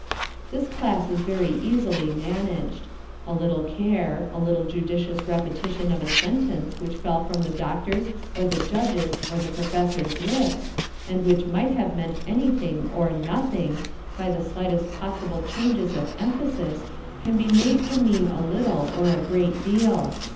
This class is very easily managed. A little care, a judicious repetition of a sentence which fell from the doctor's or the judge's or the professor's lips, and which might have meant anything or nothing, by the slightest possible changes of emphasis, can be made to mean a little or a great deal.